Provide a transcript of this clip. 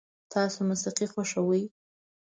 تاسو موسیقي خوښوئ؟